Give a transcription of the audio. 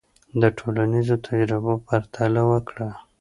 د ټولنیزو تجربو پرتله وکړه.